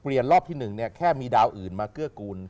รอบที่๑แค่มีดาวอื่นมาเกื้อกูล